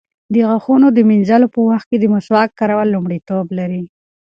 د غاښونو د مینځلو په وخت کې د مسواک کارول لومړیتوب لري.